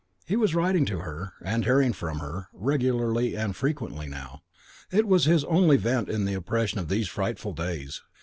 He was writing to her and hearing from her regularly and frequently now. It was his only vent in the oppression of these frightful days.